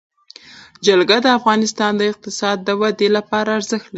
جلګه د افغانستان د اقتصادي ودې لپاره ارزښت لري.